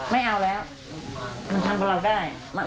ไม่เอาแล้วมันทำกับเราได้